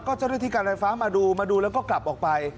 เจ้าหน้าที่การไฟฟ้ามาดูมาดูแล้วก็กลับออกไป